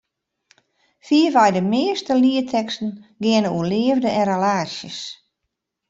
Fierwei de measte lietteksten geane oer de leafde en relaasjes.